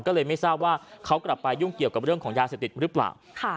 ก็เลยไม่ทราบว่าเขากลับไปยุ่งเกี่ยวกับเรื่องของยาเสพติดหรือเปล่า